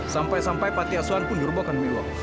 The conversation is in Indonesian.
sampai sampai pati aswan pun dirubahkan demi lo